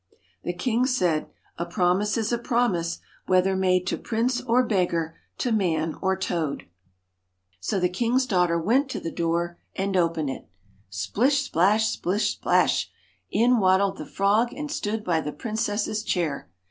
The king said: *A promise is a promise, whether made to prince or beggar, to man or toad.' 231 THE So the king's daughter went to the door and FROG opened it Splish, splash! splish, splash 1 in PRINCE Addled the frog and stood by the princess's chair.